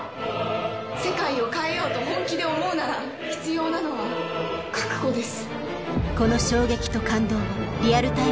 世界を変えようと本気で思うなら必要なのは覚悟です。